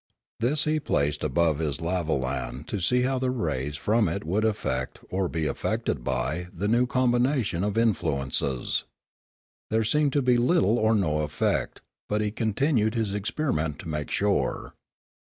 This he placed above his lavolan to see how the rays from it would affect, or be affected by, the new combination of influences. There seemed to be little or no effect, but he continued his experiment to make sure.